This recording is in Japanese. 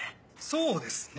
そうですね。